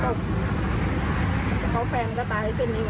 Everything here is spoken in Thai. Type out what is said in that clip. บ่อยมากค่ะบ่อยอยู่บ่อยสามสี่วันก่อนน่ะรถตู้ท๕๒อย่างงี้